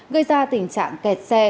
gây ra tình trạng kẹt xe